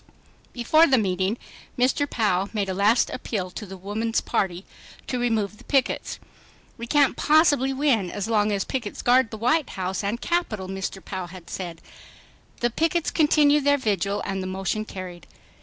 Before the meeting, Mr. Pou made a last appeal to the Woman's Party to remove the pickets .... "We can't possibly win as long as pickets guard the White House and Capitol," Mr. Pou had said. The pickets continued their vigil and the motion carried.